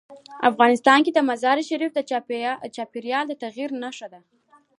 افغانستان کې مزارشریف د چاپېریال د تغیر نښه ده.